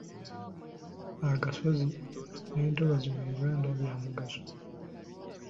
Agasozi n’entobazzi mu Uganda bya mugaso.